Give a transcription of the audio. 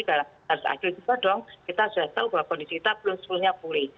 harus ada juga dong kita sudah tahu bahwa kondisi kita belum sepenuhnya pulih